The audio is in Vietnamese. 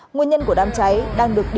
nguyên nhân của đám cháy đang được tìm ra